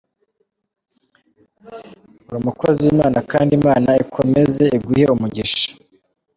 Uri umukozi w’Imana kandi Imana ikomeze iguhe umugisha”.